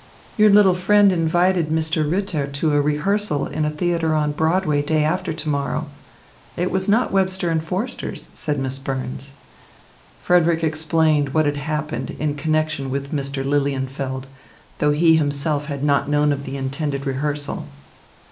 "Your little friend invited Mr. Ritter to a rehearsal in a theatre on Broadway day after to morrow. It was not Webster and Forster's," said Miss Burns. Frederick explained what had happened in connection with Mr. Lilienfeld, though he himself had not known of the intended rehearsal.